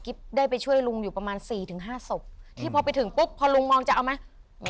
ได้ไปช่วยลุงอยู่ประมาณสี่ถึงห้าศพที่พอไปถึงปุ๊บพอลุงมองจะเอาไหม